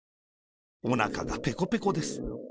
おなかがペコペコです。